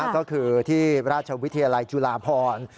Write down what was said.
ก็คือที่ราชวิทยาลัยจุฬาพร